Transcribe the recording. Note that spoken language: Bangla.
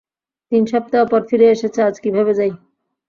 তিন সপ্তাহ পর ফিরে এসেছেন, আজ কীভাবে যাই?